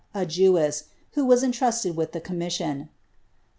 a jeweM, who was entrusted wilh ibe commission, " me nio.